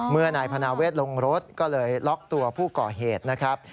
นายพนาเวทลงรถก็เลยล็อกตัวผู้ก่อเหตุนะครับ